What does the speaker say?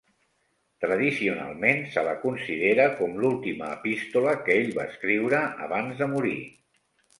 Tradicionalment, se la considera com l'última epístola que ell va escriure abans de morir.